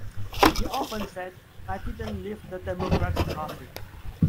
He often said, I didn't leave the Democratic Party.